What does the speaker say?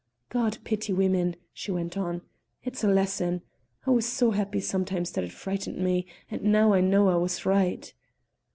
"God pity women!" she went on. "It's a lesson. I was so happy sometimes that it frightened me, and now I know I was right."